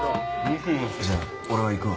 じゃあ俺は行くわ。